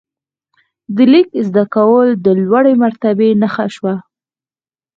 د لیک زده کول د لوړې مرتبې نښه شوه.